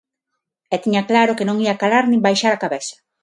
E tiña claro que non ía calar nin baixar a cabeza.